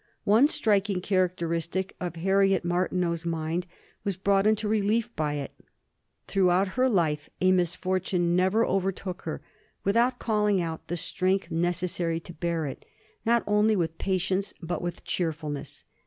One striking characteristic of Harriet Martineau's mind was brought into relief by it. Throughout her life a misfortune never overtook her without calling out the strength necessary to bear it, not only with patience, but with cheerfulness.